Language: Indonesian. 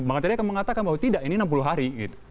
bang arteri akan mengatakan bahwa tidak ini enam puluh hari